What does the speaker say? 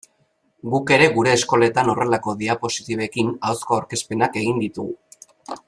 Guk ere gure eskoletan horrelako diapositibekin ahozko aurkezpenak egin ditugu.